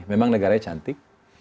memang negaranya cantik